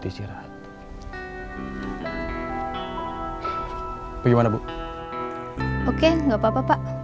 oke gak apa apa pak